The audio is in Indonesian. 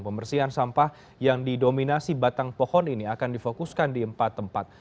pembersihan sampah yang didominasi batang pohon ini akan difokuskan di empat tempat